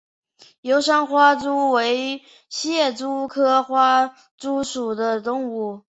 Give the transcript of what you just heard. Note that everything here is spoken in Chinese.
秀山花蛛为蟹蛛科花蛛属的动物。